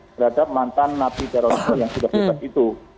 terhadap mantan nati terorisme yang sudah bebas itu